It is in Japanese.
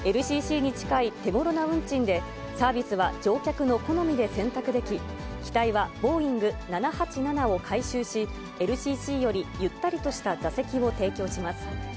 ＬＣＣに近い手ごろな運賃で、サービスは乗客の好みで選択でき、機体はボーイング７８７を改修し、ＬＣＣよりゆったりとした座席を提供します。